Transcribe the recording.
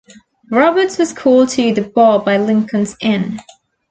Roberts was called to the bar by Lincoln's Inn.